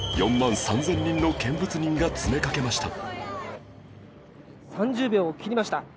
４万３０００人の見物人が詰めかけました